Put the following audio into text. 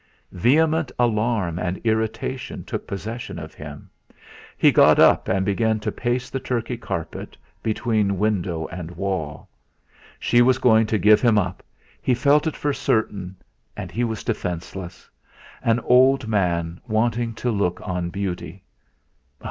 Vehement alarm and irritation took possession of him. He got up and began to pace the Turkey carpet, between window and wall. She was going to give him up! He felt it for certain and he defenceless. An old man wanting to look on beauty!